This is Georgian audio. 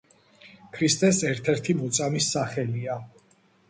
ქრისტეს ერთ-ერთი მოწამის სახელია.